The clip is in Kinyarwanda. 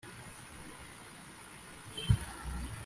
ubwami hagati yinyanja ni ndi